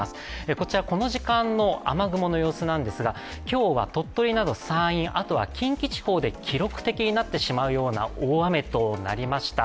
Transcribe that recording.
こちらこの時間の雨雲の様子なんですが今日は鳥取など山陰、あとは近畿地方で記録的となってしまう大雨となりました。